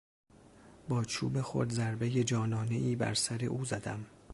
با چوب خود ضربهی جانانهای بر سر او زدم.